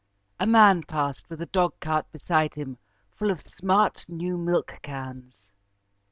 A man passed, with a dogcart beside him full of smart, new milkcans.